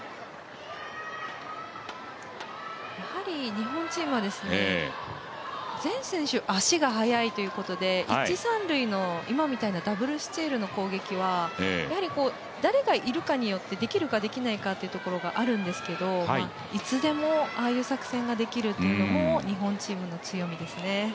日本チームは、全選手、足が速いということで、一・三塁の今みたいなダブルスチールの攻撃は、誰がいるかによってできるかできないかっていうところがあるんですけどいつでも、ああいう作戦ができるっていうのも日本チームの強みですね。